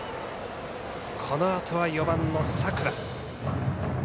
このあとは４番の佐倉。